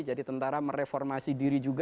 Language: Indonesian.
jadi tentara mereformasi diri juga